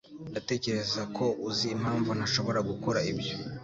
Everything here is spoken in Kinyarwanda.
Ndatekereza ko uzi impamvu ntashobora gukora ibyo.